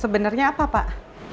sebenernya apa pak